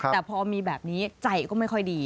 แต่พอมีแบบนี้ใจก็ไม่ค่อยดี